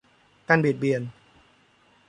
การเบียดเบียน